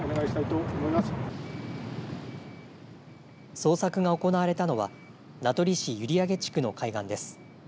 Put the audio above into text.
捜索が行われたのは名取市閖上地区の海岸です。